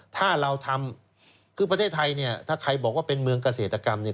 ถ้าเราทำคือประเทศไทยเนี่ยถ้าใครบอกว่าเป็นเมืองเกษตรกรรมเนี่ย